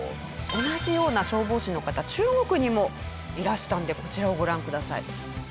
同じような消防士の方中国にもいらしたんでこちらをご覧ください。